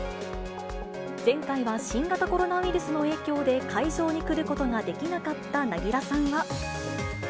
前回は新型コロナウイルスの影響で、会場に来ることができなかった凪良さんは。